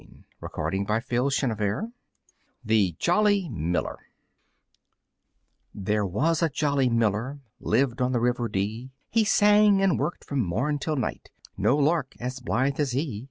[Illustration: The Jolly Miller] The Jolly Miller There was a jolly miller Lived on the river Dee; He sang and worked from morn till night, No lark so blithe as he.